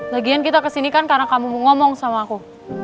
lagian kita kesini kan karena kamu mau ngomong sama aku